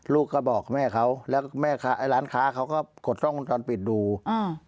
ลูกก็บอกแม่เขาแล้วก็แม่ค่ะไอ้หลังคาเขาก็กดกล้องคุณจอดปิดดูอืม